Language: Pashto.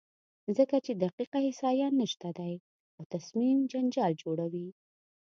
ځکه چې دقیقه احصایه نشته دی او تصمیم جنجال جوړوي،